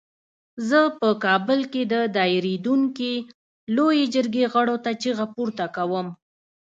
زه په کابل کې د دایریدونکې لویې جرګې غړو ته چیغه پورته کوم.